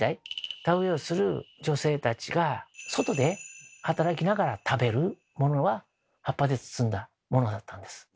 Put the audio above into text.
田植えをする女性たちが外で働きながら食べるものが葉っぱで包んだものだったんです。